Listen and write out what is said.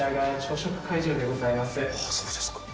そうですか。